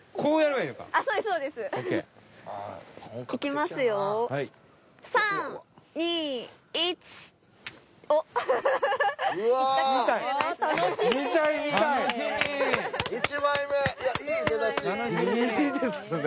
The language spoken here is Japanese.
いいですね。